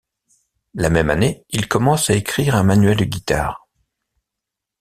La même année il commence à écrire un manuel de guitare.